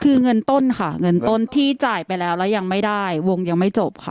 คือเงินต้นค่ะเงินต้นที่จ่ายไปแล้วแล้วยังไม่ได้วงยังไม่จบค่ะ